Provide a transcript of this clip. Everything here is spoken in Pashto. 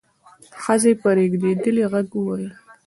ښځې په رېږدېدلي غږ وويل: